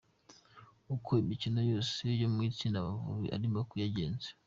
Uko imikino yose yo mu itsinda Amavubi arimo yagenze.